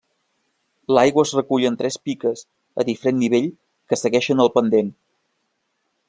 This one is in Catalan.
L'aigua es recull en tres piques, a diferent nivell, que segueixen el pendent.